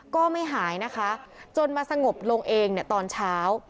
ก็ไม่หายนะคะจนมาสงบลงเองตอนเช้า